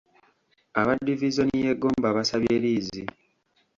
Aba divizoni y'e Gomba basabye liizi.